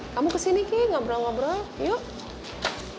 kamu kesini kek ngabrol ngabrol yuk